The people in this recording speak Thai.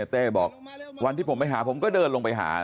เต้บอกวันที่ผมไปหาผมก็เดินลงไปหา